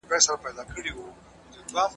نه بدلېدونکی قهرمان و